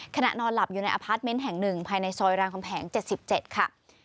ขณะนอนหลับอยู่ในอพาร์ทเมนต์แห่ง๑ภายในซอยรามคำแหง๗๗ค่ะ